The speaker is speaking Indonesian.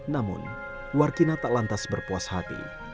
namun warkina tak lantas berpuas hati